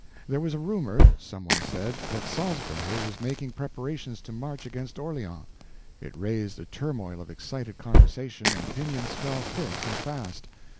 There was a rumor, some one said, that Salisbury was making preparations to march against Orleans. It raised a turmoil of excited conversation, and opinions fell thick and fast.